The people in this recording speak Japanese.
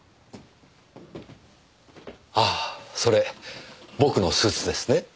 ああそれ僕のスーツですね？